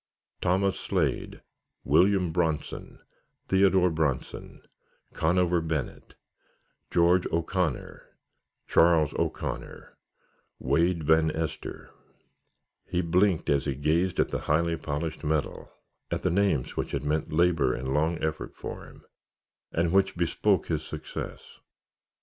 Thomas Slade William Bronson Theodore Bronson Connover Bennet George O'Connor Charles O'Connor Wade Van Ester He blinked as he gazed at the highly polished metal, at the names which had meant labor and long effort for him, and which bespoke his success.